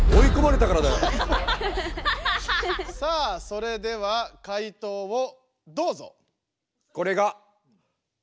さあそれでは解答をどうぞ。